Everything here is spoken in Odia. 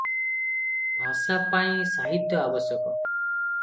ଭାଷା ପାଇଁ ସାହିତ୍ୟ ଆବଶ୍ୟକ ।